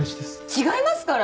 違いますから！